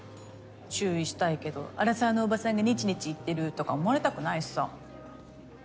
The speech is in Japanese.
注意したいけどアラサーのおばさんがねちねち言ってるとか思われたくないしさ。